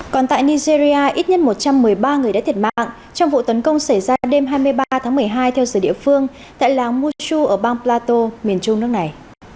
còn tại nigeria ít nhất một trăm một mươi ba người đã thiệt mạng trong vụ tấn công xảy ra đêm hai mươi ba tháng một mươi hai theo giờ địa phương tại làng mushu ở bang plato miền trung nước này